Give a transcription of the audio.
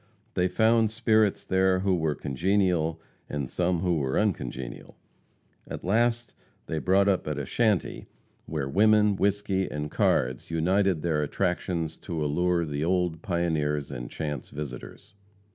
They found spirits there who were congenial and some who were uncongenial. At last they brought up at a shanty where women, whisky and cards united their attractions to allure the old pioneers and chance visitors.